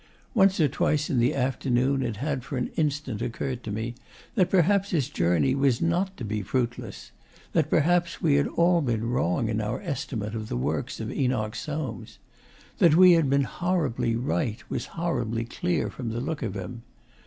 Once or twice in the afternoon it had for an instant occurred to me that perhaps his journey was not to be fruitless that perhaps we had all been wrong in our estimate of the works of Enoch Soames. That we had been horribly right was horribly clear from the look of him.